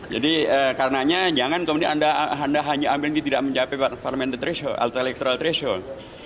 jadi karena jangan anda hanya ambil yang tidak mencapai alterelektral threshold